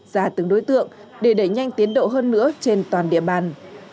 giả từng đối tượng để đẩy nhanh tiến độ hơn nữa trên toàn địa bàn